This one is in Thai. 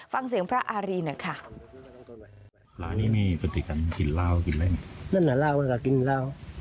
ฟังเสียงพระอารีหน่อยค่ะ